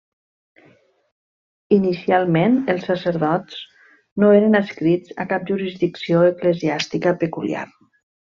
Inicialment els sacerdots no eren adscrits a cap jurisdicció eclesiàstica peculiar.